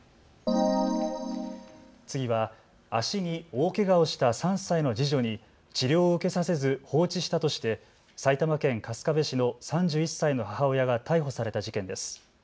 次は、足に大けがをした３歳の次女に治療を受けさせず放置したとして埼玉県春日部市の３１歳の母親が逮捕された事件です。